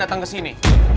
dia sudah berjaya